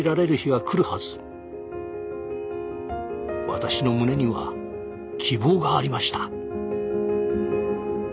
私の胸には希望がありました。